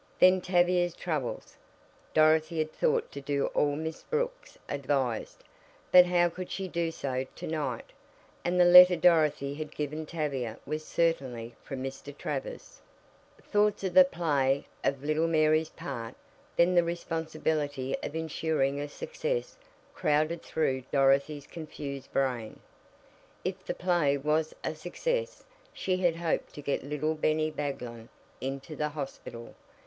Then Tavia's troubles. Dorothy had thought to do all Miss Brooks advised, but how could she do so to night? And the letter Dorothy had given Tavia was certainly from Mr. Travers. Thoughts of the play, of little Mary's part, then the responsibility of insuring a success, crowded through Dorothy's confused brain. If the play was a success she had hoped to get little Bennie Baglin into the hospital.